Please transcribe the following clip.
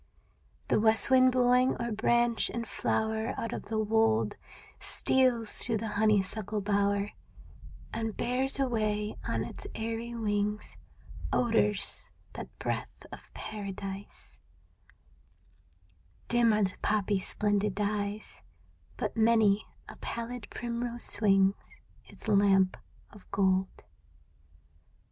The west wind blowing o'er branch and flower Out of the wold, Steals through the honeysuckle bower And bears away on its airy wings Odors that breath of paradise; Dim are the poppies' splendid dyes, But many a pallid primrose swings Its lamp of gold.